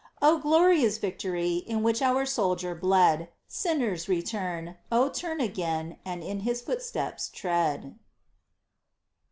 Oh, glorious victory In which our soldier bled ! Sinners, return, oh turn again, and in His footsteps tread